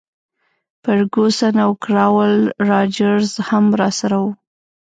فرګوسن او کراول راجرز هم راسره وو.